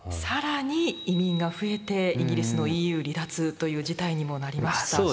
更に移民が増えてイギリスのＥＵ離脱という事態にもなりました。